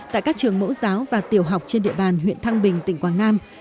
tại các trường mẫu giáo và tiểu học trên địa bàn huyện thăng bình tỉnh quảng nam